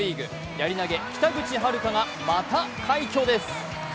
やり投げ、北口榛花がまた快挙です。